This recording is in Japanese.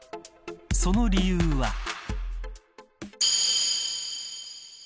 その理由は。